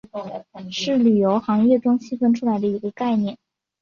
是旅游行业中细分出来的一个概念。